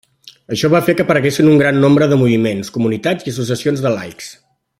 Això va fer que apareguessin un gran nombre de moviments, comunitats i associacions de laics.